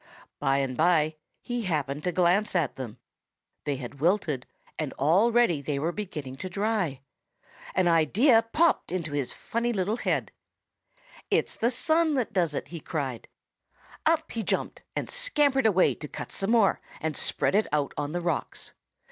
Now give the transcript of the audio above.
By and by he happened to glance at them. They had wilted and already they were beginning to dry. An idea popped into his funny little head. "'It's the sun that does it!' he cried. "Up he jumped and scampered away to cut some more and spread it out on the rocks.